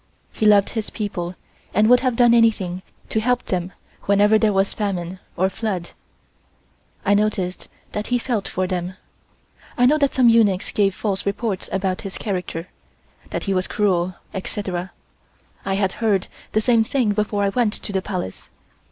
He loved his people and would have done anything to help them whenever there was famine or flood. I noticed that he felt for them. I know that some eunuchs gave false reports about his character, that he was cruel, etc. I had heard the same thing before I went to the Palace.